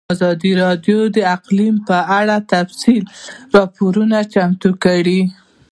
ازادي راډیو د اقلیم په اړه تفصیلي راپور چمتو کړی.